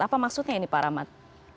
apa maksudnya ini pak rahmat